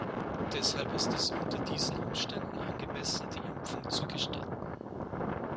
Deshalb ist es unter diesen Umständen angemessen, die Impfung zu gestatten.